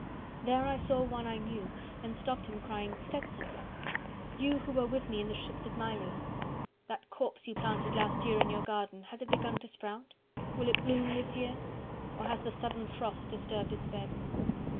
There I saw one I knew, and stopped him, crying "Stetson! You who were with me in the ships at Mylae! 70 That corpse you planted last year in your garden, Has it begun to sprout? Will it bloom this year? Or has the sudden frost disturbed its bed?